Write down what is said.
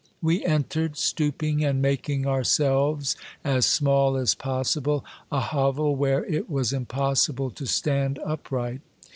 We entered, stooping and making ourselves as small as possible, a hovel where it was impossible to stand upright.